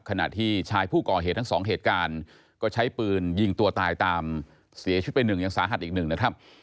ขณะที่ชายผู้ก่อเหตุทั้งสองเหตุการณ์ก็ใช้ปืนยิงตัวตายตามเสียชีวิตไปหนึ่งยังสาหัสอีกหนึ่งนะครับ